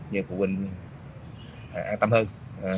như phụ huynh an tâm hơn